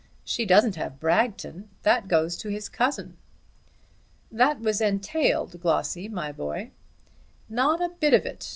"She doesn't have Bragton. That goes to his cousin." "That was entailed, Glossy, my boy." "Not a bit of it.